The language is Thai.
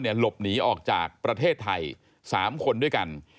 หลบหนีออกจากประเทศไทย๓คนด้วยกัน